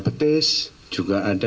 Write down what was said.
petis juga ada